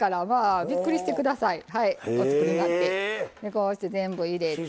こうして全部入れて。